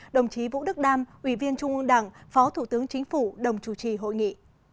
đồng chí vũ đức đam ủy viên trung ương đảng phó thủ tướng chính phủ đồng chủ trì hội nghị